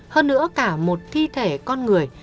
hơn nữa cả một thi thể con người